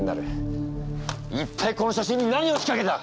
一体この写真に何をしかけた？